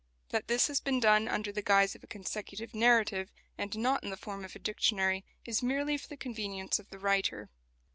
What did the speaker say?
That this has been done under the guise of a consecutive narrative, and not in the form of a dictionary, is merely for the convenience of the writer.